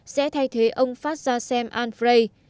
sẽ thay thế ông fashasem al fray